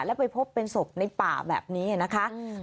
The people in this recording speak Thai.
แล้วไปพบเป็นศพในป่าแบบนี้นะคะ